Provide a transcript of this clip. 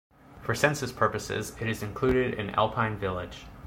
For census purposes, it is included in Alpine Village.